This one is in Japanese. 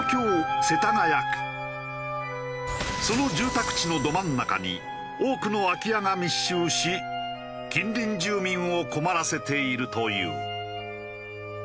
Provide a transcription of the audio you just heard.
その住宅地のど真ん中に多くの空き家が密集し近隣住民を困らせているという。